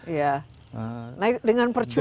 iya naik dengan percuma